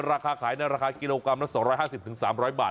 ราคาขายในราคากิโลกรัมละ๒๕๐๓๐๐บาท